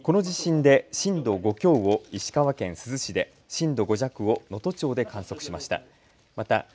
この地震で震度５強を石川県珠洲市で震度５弱を能登町で観測しました。